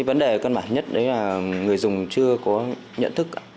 vấn đề cân bản nhất đấy là người dùng chưa có nhận thức